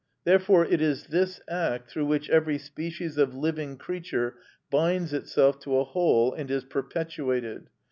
Therefore it is this act through which every species of living creature binds itself to a whole and is perpetuated.